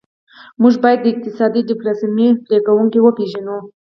موږ باید د اقتصادي ډیپلوماسي پلي کوونکي وپېژنو